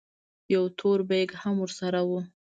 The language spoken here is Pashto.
يو تور بېګ هم ورسره و.